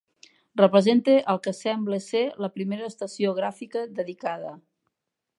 Representa el que sembla ser la primera estació gràfica dedicada.